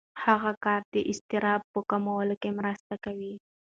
هغه کار د اضطراب په کمولو کې مرسته کوي.